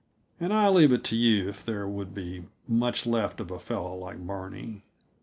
And I leave it to you if there would be much left of a fellow like Barney.